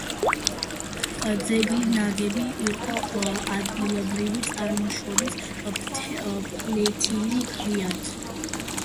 ძეგლი ნაგები იყო ადგილობრივი წარმოშობის ფლეთილი ქვით.